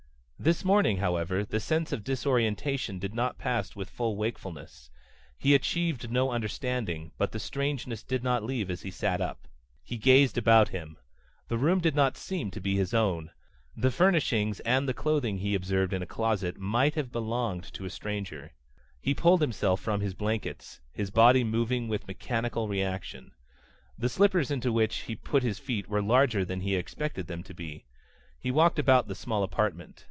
This morning, however, the sense of disorientation did not pass with full wakefulness. He achieved no understanding, but the strangeness did not leave as he sat up. He gazed about him. The room did not seem to be his own. The furnishings, and the clothing he observed in a closet, might have belonged to a stranger. He pulled himself from his blankets, his body moving with mechanical reaction. The slippers into which he put his feet were larger than he had expected them to be. He walked about the small apartment.